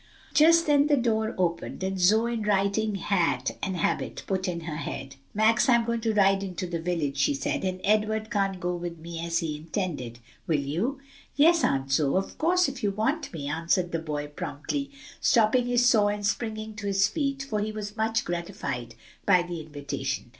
Just then the door opened, and Zoe, in riding hat and habit, put in her head. "Max, I'm going to ride into the village," she said, "and Edward can't go with me, as he intended. Will you?" "Yes, Aunt Zoe, of course, if you want me," answered the boy promptly, stopping his saw and springing to his feet, for he was much gratified by the invitation.